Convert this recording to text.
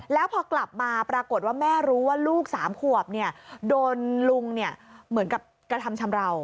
แล้วพอกลับมาปรากฏว่าแม่รู้ว่าลูก๓ขวบโดนลุงเหมือนกับกระทำชำราว